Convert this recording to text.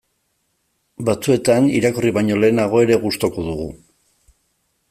Batzuetan irakurri baino lehenago ere gustuko dugu.